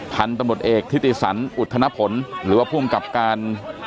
พันธุ์ตำรวจเอกทิติสันอุทธนพลหรือว่าภูมิกับการ